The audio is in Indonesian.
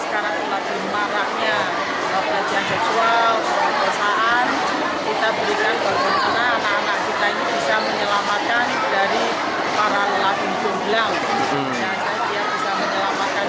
karena sekarang kita berpengaruhnya karena kelecehan seksual kekerasan kita berikan berpengaruh karena anak anak kita ini bisa menyelamatkan dari para lelaki yang berbelakang